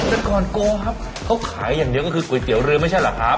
แต่ก่อนโกงครับเขาขายอย่างเดียวก็คือก๋วยเตี๋ยวเรือไม่ใช่เหรอครับ